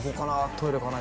トイレかな？